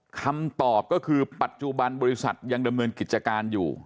คำตอบก็คือปัจจุบันบริษัทยังดำเนินกิจการอยู่